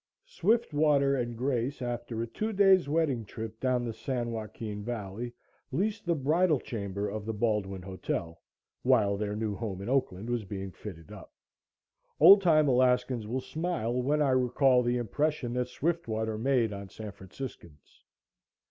Swiftwater and Grace, after a two days' wedding trip down the San Joaquin Valley leased the bridal chamber of the Baldwin Hotel, while their new home in Oakland was being fitted up. Old time Alaskans will smile when I recall the impression that Swiftwater made on San Franciscans.